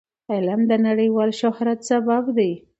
علم د نړیوال شهرت سبب دی.